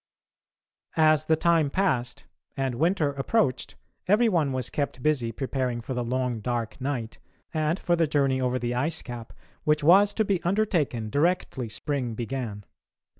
As the time passed, and winter approached, every one was kept busy preparing for the long dark night, and for the journey over the ice cap which was to be undertaken directly spring began.